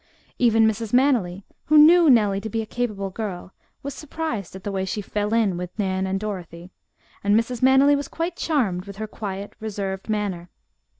Even Mrs. Manily, who knew Nellie to be a capable girl, was surprised at the way she "fell in" with Nan and Dorothy, and Mrs. Manily was quite charmed with her quiet, reserved manner.